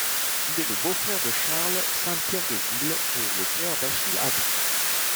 Il est le beau-frère de Charles Sainte-Claire Deville et le père d'Achille Adam.